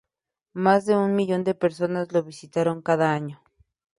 Más de un millón de personas lo visitaron cada año.